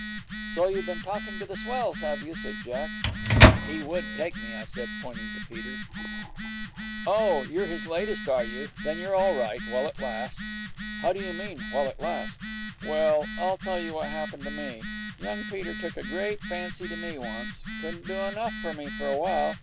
'So you've been talking to the swells, have you?' said Jack. 'He would take me,' I said, pointing to Peter. 'Oh, you're his latest, are you? Then you're all right while it lasts.' 'How do you mean, while it lasts?' 'Well, I'll tell you what happened to me. Young Peter took a great fancy to me once. Couldn't do enough for me for a while.